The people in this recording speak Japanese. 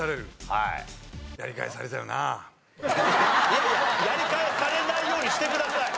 いやいややり返されないようにしてください。